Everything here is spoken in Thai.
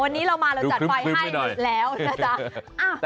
วันนี้เรามาเราจัดไฟให้แล้วนะจ๊ะ